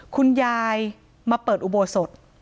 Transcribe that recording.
คุณยายมาเปิดอุโบสถ